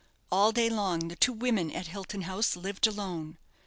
All day long the two women at Hilton House lived alone.